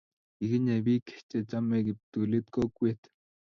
Kikinyei biik che chamei kiptulit kokwet